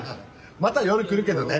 また夜来るけどね。